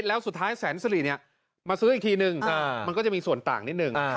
แล้วสุดท้ายแสนสิริมาซื้ออีกทีนึงมันก็จะมีส่วนต่างนิดนึง